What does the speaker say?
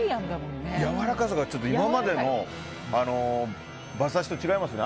やわらかさが、ちょっと今までの馬刺しと違いますね。